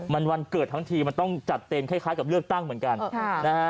มันวันเกิดทั้งทีมันต้องจัดเต็มคล้ายกับเลือกตั้งเหมือนกันนะฮะ